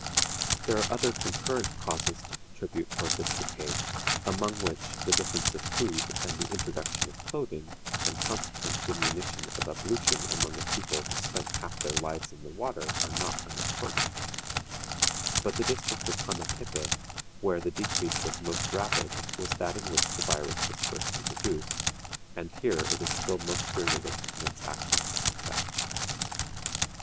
There are other concurrent causes to contribute toward this decay, among which the difference of food, and the introduction of clothing, and consequent diminution of ablution among a people who spent half their lives in the water, are not unimportant; but the district of Hanapepe, where the decrease was most rapid, was that in which the virus was first introduced, and here it is still most virulent in its action and effects.